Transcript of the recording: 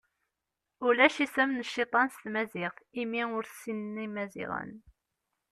Ulac isem n cciṭan s tmaziɣt, imi ur t-ssinen Imaziɣen.